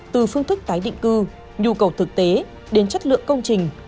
từ phương thức tái định cư nhu cầu thực tế đến chất lượng công trình